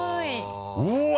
うわ！